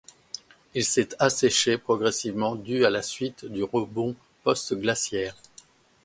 Il s'est asséché progressivement du à la suite du rebond post-glaciaire.